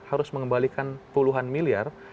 harus mengembalikan puluhan miliar